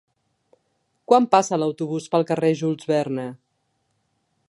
Quan passa l'autobús pel carrer Jules Verne?